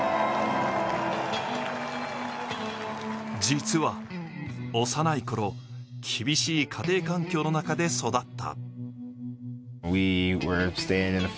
実は幼いころ、厳しい家庭環境の中で育った。